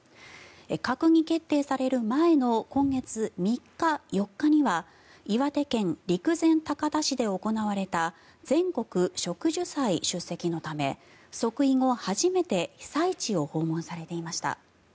閣議決定される前の今月３日、４日には岩手県陸前高田市で行われた全国植樹祭出席のため即位後初めて被災地を訪問されていました。